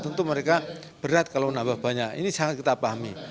tentu mereka berat kalau nambah banyak ini sangat kita pahami